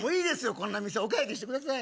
こんな店お会計してください